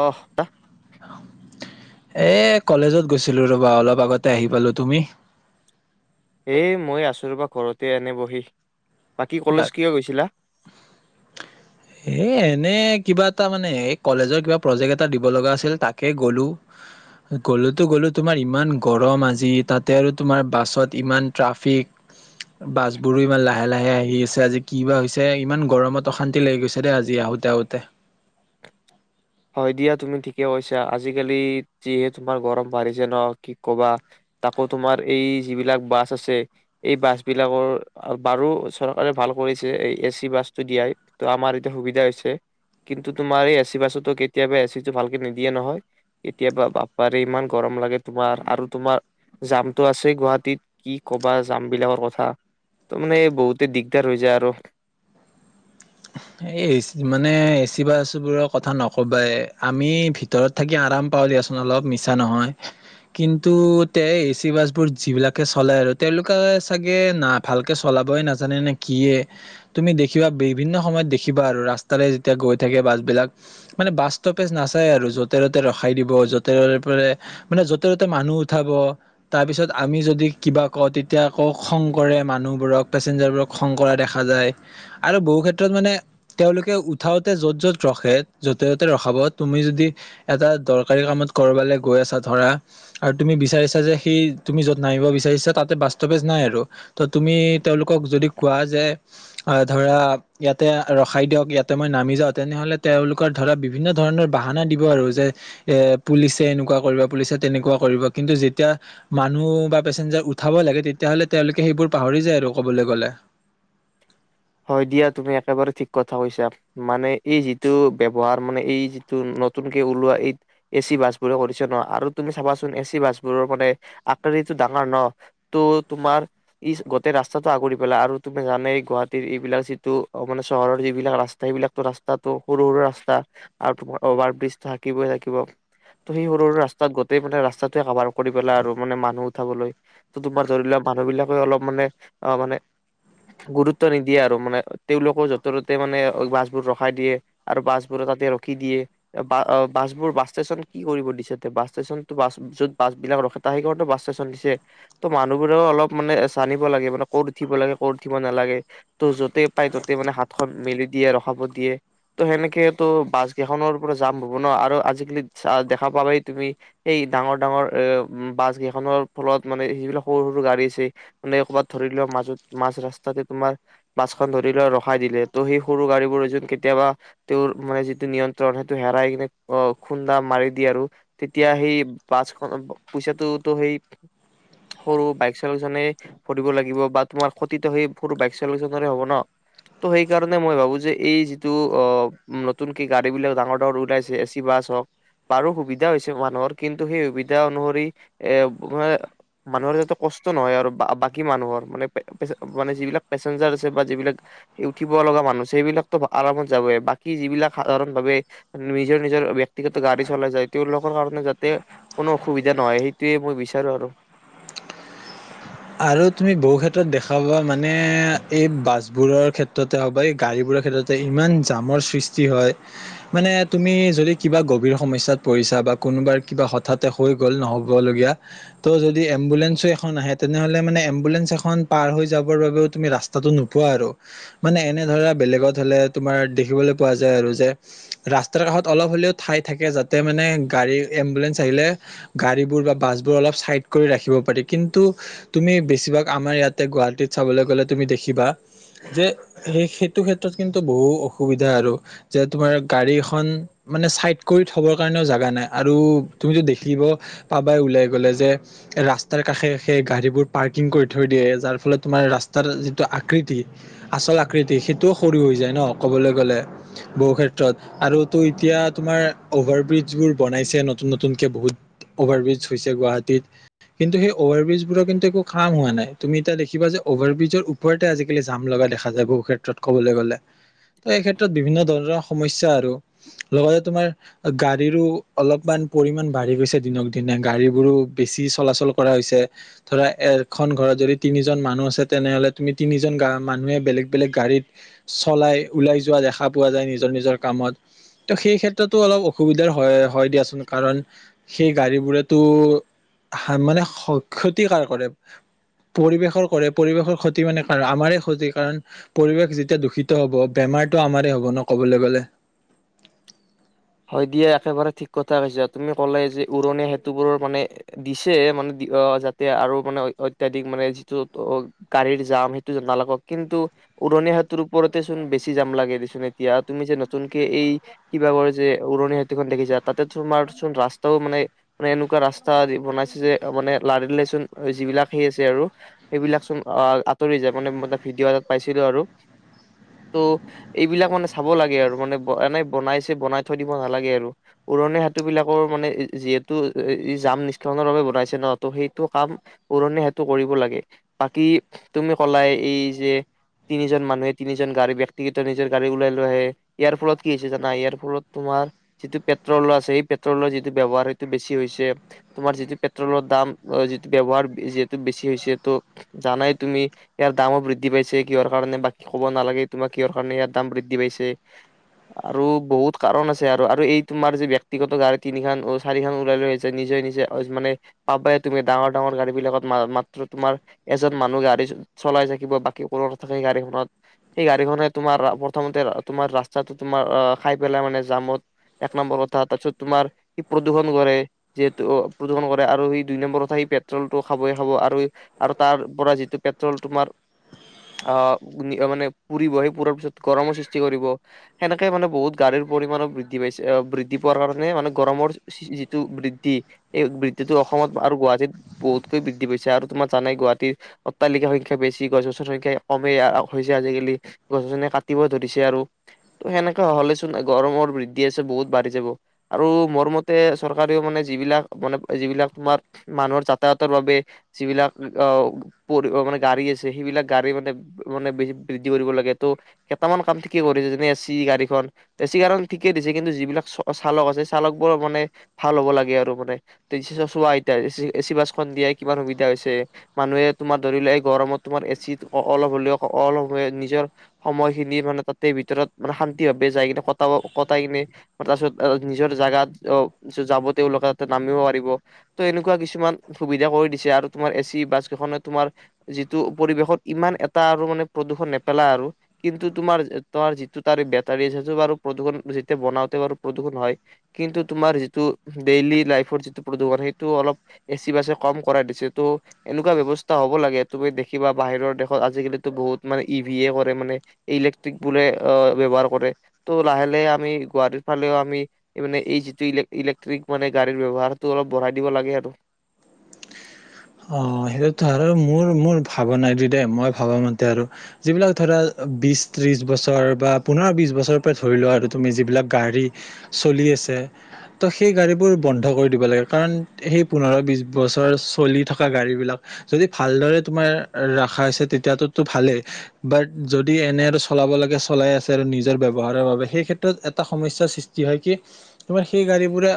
আহা [unintelligible] এ কলেজত গৈছিলো ৰবা, অলপ আগতে আহি পালো। তুমি? এ মই আছোঁ ৰবা ঘৰতে এনে বহি। বাকী কলেজ কিয় গৈছিলা? এ এনে কিবা এটা মানে এই কলেজৰ কিবা প্ৰজেক্ট এটা দিব লগা আছিল তাকে গ'লো গ'লোতো গ'লো তোমাৰ ইমান গৰম আজি তাতে আৰু তোমাৰ বাছত ইমান ট্ৰাফিক বাছ বোৰো ইমান লাহে আহে ই আছে আজি কি বা হৈছে ইমান গৰমত অশান্তি লাগি গৈছে দেই আজি আহোতে আহোতে হয় দিয়া তুমি ঠিকে কৈছা আজিকালি যিহে তোমাৰ গৰম বাঢ়িছে ন কি কবা তাকো তোমাৰ এই যিবিলাক বাছ আছে এই বাছ বিলাকৰ বাৰু চৰকাৰে ভাল কৰিছে এই এচি বাছটো দিয়াই ত আমাৰ এতিয়া সুবিধা হৈছে কিন্তু তোমাৰ এই এচি বাছত কেতিয়াবা এচিটো ভালকে নিদিয়ে নহয় কেতিয়াবা বাপাৰে ইমান গৰম লাগে তোমাৰ আৰু তোমাৰ জামটো আছেই গুৱাহাটীত কি কবা জাম বিলাকৰ কথা ত মানে বহুতে দিগদাৰ হৈ যায় আৰু এই এচি- মানে এ চি বাছবোৰৰ কথা নকবাই আমি ভিতৰত থাকি আৰাম পাও দিয়াচোন অলপ মিছা নহয় কিন্তু তে এচি বাছ বোৰ যিবিলাকে চলাই আৰু তেওঁলোকে চাগে না ভালকে চলাবই নাজানে নে কিয়ে তুমি দেখিবা বিভিন্ন সময়ত দেখিবা আৰু ৰাস্তাৰে যেতিয়া গৈ থাকে বাছ বিলাক মানে বাছ ষ্টপেজ নাচায় আৰু য'তে য'তে ৰখাই দিব য'তে মানে য'তে ত'তে মানুহ উঠাব তাৰ পিছত আমি যদি কিবা কওঁ তেতিয়া আকৌ খং কৰে মানুহবোৰক পেচেঞ্জাৰবোৰক খং কৰা দেখা যায় আৰু বহু ক্ষেত্ৰত ক্ষেত্ৰত মানে তেওঁলোকে উঠাওতে য'ত য'ত ৰখে য'তে য'তে ৰখাব তুমি যদি এটা দৰকাৰী কামত কৰবালৈ গৈ আছা ধৰা আৰু তুমি বিচাৰিছা যে সি তুমি য'ত নামিব বিচাৰিছা তাতে বাস্তৱেজ নাই আৰু ত তুমি তেওঁলোকক যদি কোৱা যে আহ ধৰা ইয়াতে ৰখাই দিয়ক ইয়াতে মই নামি যাওঁ তেনেহলে তেওঁলোকৰ ধৰা বিভিন্ন ধৰণৰ বাহানা দিব আৰু যে এ পুলিচে এনেকুৱা কৰিব পুলিচে তেনেকুৱা কৰিব কিন্তু যেতিয়া মানুহ বা পেচেঞ্জাৰ উঠাব লাগে তেতিয়া হলে তেওঁলোকে সেইবোৰ পাহৰি যায় আৰু কবলৈ গলে হয় দিয়া তুমি একেবাৰে ঠিক কথা কৈছা মানে এই যিটো ব্যৱহাৰ ৰ মানে এই যিটো নতুনকে ওলোৱা এই এচি বাছ বোৰে কৰিছা ন আৰু তুমি চাবাচোন এচি বাছ বোৰৰ মানে আকাৰটো ডাঙৰ ন ত' তোমাৰ ই গোটেই ৰাস্তাটো আগুৰি পেলা আৰু তুমি জানে গ এইবিলাক যিটো অ মানে চহৰৰ যিবিলাক ৰাস্তা সেইবিলাকো ৰাস্তাটো সৰু সৰু ৰাস্তা আৰু তোমাৰ অভাৰ ব্ৰিজটো থাকিবই থাকিব ত সেই সৰু সৰু ৰাস্তাত গোটেই মানে ৰাস্তাটোৱে কাভাৰ কৰি পেলা আৰু মানে মানুহ উঠাবলৈ ত তোমাৰ ধৰি লোৱা মানুহ বিলাকে অলপ মানে অ মানে গুৰুত গুৰুত্ব নিদিয়ে আৰু মানে তেওঁলোকও য'ত ত'তে মানে বাছবোৰ ৰখাই দিয়ে আৰু বাছবোৰো তাতে ৰখি দিয়ে বা বাছবোৰ বাছ ষ্টেচন কি কৰিব দিছে বাছ ষ্টেচনতো বাছ য'ত বাছবিলাক ৰখে ত সেইকাৰণ বাছ ষ্টেচন দিছে ত' মানুহবোৰেও অলপ মানে জানিব লাগে মানে ক'ত উঠিব লাগে ক'ত উঠিব নালাগে ত য'তে পাই ততে মানে হাতখন মেলি দিয়ে ৰখাব দিয়ে ত সেনেকে তো বাছ কেইখনৰ পৰা যাম হব ন আৰু আজিকালি দেখা পাবাই তুমি সেই ডাঙৰ ডাঙৰ এ বাছ কেইখনৰ ফলত মানে সেইবিলাক সৰু সৰু গাড়ী আছে মানে ক'ৰবাত ধৰি লোৱা মাজত মাজ ৰাস্তাতে তোমাৰ বাছখন ধৰি লৈ ৰখাই দিলে ত সেই সৰু গাড়ীবোৰ এজন কেতিয়াবা তেওঁৰ মানে যিটো নিয়ন্ত্ৰণ সেইটো হেৰাই কিনে খুন্দা মাৰি দিয়ে আৰু তেতিয়া সেই বাছখন পইচাটোতো সেই সৰু বাইক চালক জনে ভৰিব লাগিব বা তোমাৰ ক্ষতিটো সেই সৰু বাইক হব ন ত সেইকাৰণে মই ভাবো যে এই যিটো অ নতুনক গাড়ী বিলাক ডাঙৰ ডাঙৰ ওলাইছে এ চি বাছ হওক বাৰু সুবিধা হৈছে মানুহৰ কিন্তু সেই সুবিধা অনুসৰি এ ম মানুহৰ যাতে কষ্ট নহয় আৰু বাকী মানুহৰ মানে মানে যিবিলাক পেচেঞ্জাৰ আছে বা যিবিলাক উঠিব লগা মানুহ আছে সেইবিলাকতো আৰামত যাবই বাকী যিবিলাক সাধাৰণ ভাৱে নিজৰ নিজৰ ব্যক্তিগত গাড়ী চলাই যায় তেওঁলোকৰ কাৰণে যাতে কোনো অসুবিধা নহয় সেইটোয়ে মই বিচাৰো আৰু আৰু তুমি বহু ক্ষেত্ৰত দেখাবা মানে এই বাছ বোৰৰ ক্ষেত্ৰতে হওক বা এই গাড়ীবোৰৰ ক্ষেত্ৰতে ইমান জামৰ সৃষ্টি হয় মানে তুমি যদি কিবা গভীৰ সমস্যাত পৰিছা বা কোনোবাৰ কিবা হঠাতে হৈ গ'ল নহ'ব লগীয়াত' যদি এম্বুলেঞ্চো এখন আহে তেনেহ'লে মানে এম্বুলেঞ্চ এখন পাৰ হৈ যাবৰ বাবেও তুমি ৰাস্তাটো নোপোৱা আৰু মানে এনে ধৰা বেলেগত হলে তোমাৰ দেখিবলৈ পোৱা যায় আৰু যে ৰাস্তাৰ কাষত অলপ হ'লেও ঠাই থাকে যাতে মানে গাড়ী এম্বুলেন্ঞ্চ আহিলে গাড়ীবোৰ বা বাছবোৰ অলপ চাইড কৰি ৰাখিব পাৰি কিন্তু তুমি বেছিভাগ আমাৰ ইয়াতে গুৱাহাটীত চাবলৈ গলে তুমি দেখিবা যে সেই সেইটো ক্ষেত্ৰত কিন্তু বহু অসুবিধা আৰু যে তোমাৰ গাড়ী এখন মানে চাইড কৰি থবৰ কাৰণেও জাগা নাই আৰু তুমিতো দেখিব পাবাই ওলাই গলে যে ৰাস্তাৰ কাষে সেই গাড়ীবোৰ পাৰ্কিং কৰি থৈ দিয়ে যাৰ ফলত তোমাৰ ৰাস্তাৰ যিটো আকৃতি আচল আকৃতি সেইটোও সৰু হৈ যায় ন ক'বলৈ গ'লে বহু ক্ষেত্ৰত আৰুতো এতিয়া তোমাৰ অ'ভাৰ ব্ৰিজবোৰ বনাইছে নতুন নতুনকৈ বহুত অভাৰ ব্ৰিজ হৈছে গুৱাহাটীত কিন্তু সেই অভাৰ ব্ৰিজবোৰৰ কিন্তু একো খাম হোৱা নাই তুমি এতিয়া দেখিবা যে অভাৰ ব্ৰিজৰ ওপৰতে আজিকালি জাম লগা দেখা যায় বহু ক্ষেত্ৰত ক'বলৈ গ'লে ত এই ক্ষেত্ৰত বিভিন্ন ধৰণৰ সমস্যা আৰু লগতে তোমাৰ গাড়ীৰো অলপমান পৰিমান বাঢ়ি গৈছে দিনক দিনা গাড়ী বোৰো বেছি চলাচল কৰা হৈছে ধৰা এখন ঘৰত যদি তিনিজন মানুহ আছে তেনেহলে তুমি তিনিজন গা মানুহে বেলেগ বেলেগ গাড়ীত চলাই ওলাই যোৱা দেখা পোৱা যায় নিজৰ নিজৰ কামত ত' সেই ক্ষেত্ৰতো অলপ অসুবিধাৰ হয় হয় দিয়াচোন কাৰণ সেই গাড়ীবোৰেতো মানে ক্ষতিকাৰ কৰে পৰিৱেশৰ কৰে পৰিৱেশৰ ক্ষতি মানে কাৰ আমাৰে ক্ষতি কাৰণ পৰিৱেশ যেতিয়া দূষিত হব বেমাৰটো আমাৰে হব ন ক'বলৈ গলে। হয় দিয়া একেবাৰে ঠিক কথা কৈছা তুমি ক'লে যে উৰণীয়া সেতুবোৰ মানে দিছে মানে অ যাতে আৰু মানে অত্যাধিক মানে যিটো অ গাড়ীৰ জাম সেইটো নালাগক কিন্তু উৰণীয়া সতুৰ ওপৰতে চোন বেছি জাম লাগে দেচোন এতিয়া তুমি যে নতুনকে এই কিবা কৰে যে উৰণি সেতুখন দেখিছা তাতে তোমাৰ চোন ৰাস্তাও মানে মানে এনেকুৱা ৰাস্তা বনাইছে যে মানে লাৰিলেচোন যিবিলাক সেই আছে আৰু সেইবিলাক চোন আহ আঁতৰি যায় মানে ভিডিঅ' এাত পাইছিলো আৰু ত' এইবিলাক মানে চাব লাগে আৰু মানে এনে বনাইছে বনাই থৈ দিব নালাগে আৰু উৰণীয়া সেতু বিলাকৰ মানে যিহেতু জাম নিষ্কাণনৰ বাবে বনাইছে ন সেইটো কাম উৰণীয়া সেতু কৰিব লাগে বাকী তুমি কলাই এই যে তিনিজন মানুহে তিনিজন গাড়ী ব্যক্তিগত নিজৰ গাড়ী ওলাই লৈ আহে ইয়াৰ ফলত কি হৈছে জানা ইয়াৰ ফলত তোমাৰ যিটো পেট্ৰল আছে সেই পেট্ৰলৰ যিটো ব ব্যৱহাৰ সেইটো বেছি হৈছে তোমাৰ যিটো পেট্ৰলৰ দাম যিটো ব্যয়ৱহাৰ যিহেতু বেছি হৈছে তটো জানাই তুমি ইয়াৰ দামো বৃদ্ধি পাইছে কিহৰ কাৰণে বাকী ক'ব নালাগে তোমাৰ কিহৰ কাৰণে ইয়াৰ দাম বৃদ্ধি পাইছে আৰু বহুত কাৰণ আছে আৰু আৰু এই তোমাৰ যি ব্যক্তিগত গাড়ী তিনিখন চাৰিখন ওলাই লৈ আহ যায় নিজে নিজে মানে পাবাই তুমি ডাঙৰ ডাঙৰ গাড়ী বিলাকত মাত্ৰ তোমাৰ এজন মানুহ গাড়ী চলাই থাকিব বাকী ক নথাকেই গাড়ীখনত সেই গাড়ীখনে তোমাৰ প্ৰথমতে তোমাৰ ৰাস্তাটো তোমাৰ খাই মানে জামত এক নম্বৰ কথা তাৰ পিছত তোমাৰ সি প্ৰদূষণ কৰে যিহেতু প্ৰদূষণ কৰে আৰু সি দুই নম্বৰ কথা সি পেট্ৰলটো খাবই খাব আৰু আৰু তাৰ পৰা যিটো পেট্ৰল তোমাৰ আহ মানে পুৰিব সেই পুৰাৰ পিছত গৰমৰ সৃষ্টি কৰিব সেনেকে মানে বহুত গাড়ীৰ পৰিমণো বৃদ্ধি পাইছে বৃদ্ধি পোৱাৰ কাৰণে মানে গৰমৰ যিটো বৃদ্ধি এই বৃদ্ধিটো অসমত আৰু গুৱাহাটীত বহুতকৈ বৃদ্ধি পাইছে আৰু তোমাৰ জানাই গুৱাহাটীৰ অট্টালিকাৰ সংখ্যা বেছি গছ- গছনিৰ সংখ্যা কমেই হৈছে আজিকালি গছ গছনি কাটিব ধৰিছে আৰু ত সেনেকে গৰমৰ বৃদ্ধি আছে বহুত বাঢ়ি যাব আৰু মোৰ মতে চৰকাৰেও মানে যিবিলাক মানে যিবিলাক তোমাৰ মানুহৰ যাতায়তৰ বাবে যিবিলাক আহ পৰি মানে গাড়ী আছে সেইবিলাক গাড়ী মানে মানে বে বৃদ্ধি কৰিব লাগে ত' কেইটামান কাম ঠিকেই কৰিছে যেনে এ চি গাড়ীখন এচি কাৰণ ঠিকেই দিছে কিন্তু যিবিলাক চ চালক আছে চালক বোৰ মানে ভাল হ'ব লাগে আৰু মানে চোৱা আত এচি বাছখন দিয়াই কিমান সুবিধা হৈছে মানুহে তোমাৰ ধৰি লোৱা এই গৰমত তোমাৰ এচি অলপ হলেও অলপ সম নিজৰ সময়খিনি মানে তাতে ভিতৰত মানে শান্তি ভা ব যাই কিনে কটাব কটাই কিনে তাৰপিছত নিজৰ জোগাত অ যাব তেওঁলোকে তাতে নামিব পাৰিব ত এনেকুৱা কিছুমান সুবিধা কৰি দিছে আৰু তোমাৰ এ চি বাছ কেইখনে তোমাৰ যিটো পৰিৱেশত ইমান এটা আৰু মানে প্ৰদূষণ নেপেলা আৰু কিন্তু তোমাৰ তাৰ যিটো তাৰে ব প্ৰদূষণ যেতিয়া বনাওতে বাৰু প্ৰদূৰষণ হয় কিন্তু তোমাৰ যিটো ডেইলি লাইফৰ যিটো প্ৰদূৰণ সেইটো অলপ এচি বাচ কম কৰাই দিছে ত' এনেকুৱা ব্যৱস্থা হ'ব লাগে তুমি দেখিবা বাহিৰৰ দেশত আজিকালিতো বহুত মানে ই ভি এ কৰে মানে ইলেক্ট্ৰিক বোলে ব্যৱহাৰ। কৰে ত' লাহে লাহে আমি গুৱাহীৰ ফালেও আমি মানে এই যিটো ইলেক্ট্ৰিক মানে গাড়ীৰ ব্যৱহাৰটো অলপ বঢ়াই দিব লাগে আৰু অ সেইটোতো আৰু মোৰ মোৰ ভাব নাই দি দেই মই ভবা মতে আৰু যিবিলাক ধৰা বিশ ত্ৰিশ বছৰ বা পোন্ধৰ বিশ বছৰৰ পৰা ধৰি লোৱা আৰু তুমি যিবিলাক গাড়ী চলি আছে ত সেই গাড়ীবোৰ বন্ধ কৰি দিব লাগে কাৰণ সেই পোন্ধৰ বি বছৰ চলি থ থকা গাড়ী বিলাক যদি ভালদৰে তোমাৰ ৰখা হৈছে তেতিয়াতোতো ভালেই বাট যদি এনে আৰু চলাব লাগে চলাই আছে আৰু নিজৰ ব্যৱহাৰৰ বাবে সেই ক্ষেত্ৰত এটা সমস্যাৰ সৃষ্টি হয় কি তোমাৰ সেই গাড়ীবোৰে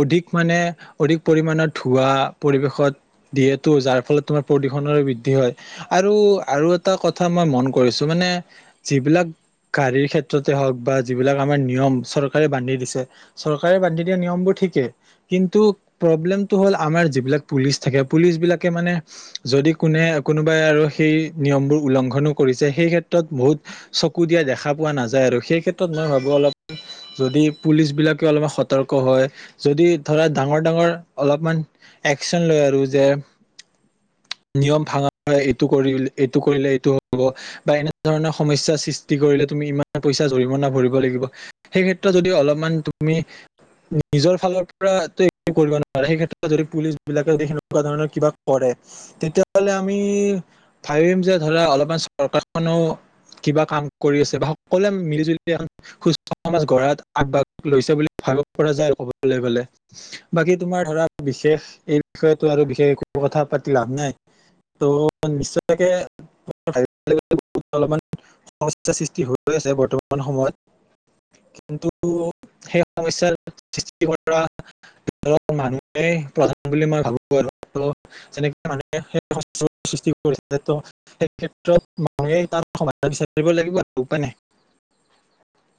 অধিক মানে অধিক পৰিমানৰ ধুৱা পৰিৱেশত দিয়েটো যাৰ ফলত তোমাৰ প্ৰদূষণৰ বৃদ্ধি হয়। আৰু আৰু এটা কথা মই মন কৰিছো মানে যিবিলাক গাড়ীৰ ক্ষেত্ৰতে হওক বা যিবিলাক আমাৰ নিয়ম চৰকাৰে বান্ধি দিছে চৰকাৰে বান্ধি দিয়া নিয়মবোৰ ঠিকেই কিন্তু প্ৰব্লেমটো হল আমাৰ যিবিলাক পুলিচ থাকে পুলিচবিলাকে মানে যদি কোনে কোনোবাই আৰু সেই নিয়মবোৰ উলংঘনো কৰিছে সেই ক্ষেত্ৰত বহুত চকু দিয়া দেখা পোৱা নাযায় আৰু সেই ক্ষেত্ৰত মই ভাবো অলপ যদি পুলিচ বিলাকে অলপ সতৰ্ক হয় যদি ধৰা ডাঙৰ ডাঙৰ অলপমান একচন লৈ আৰু নিয়ম ভঙা এইটো কৰি এইটো কৰিলে এইটো হব বা এনে ধৰণৰ সমস্যাৰ সৃষ্টি কৰিলে তুমি ইমান পইচা জৰিমনা ভৰিব লাগিব সেই ক্ষেত্ৰত যদি অলপমান তুমি নিজৰ ফালৰ পৰা কৰিব না সেই ক্ষেত্ৰত যদি পুলিচ বিলাকে তেনেকুৱা ধৰণৰ কিবা কৰে তেতিয়াহলে আমি ভাবিম যে ধৰা অলপমান চৰকাৰখনেও কিবা কাম কৰি আছে বা সকলোৱে মিলি জুলি সুস্থ সমাজ গঢ়ত আগভাগ লৈছে বুলি ভাবিব পৰা যায় ক'বলৈ গলে ।বাকী তোমাৰ ধৰা বিশেষ এই বিষয়ত আৰু বিশেষ একো কথা পাতি লাভ নাই ত' নিশ্চয়কে অলপমান সমস্যাৰ সৃষ্টি হৈ আছে বৰ্তমান সময়ত কিন্তু সেই সমস্যাৰ সৃষ্টি কৰা মানুহে প্ৰধান বুলি মই ভাবো ক মানুহে সৃষ্টি কৰি ত সেই ক্ষেত্ৰত মানুহে তাৰ সমাধান বিচাৰ লাগিবা আৰু, উপায় নাই ।